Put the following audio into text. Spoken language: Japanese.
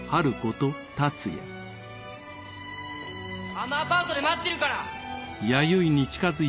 あのアパートで待ってるから！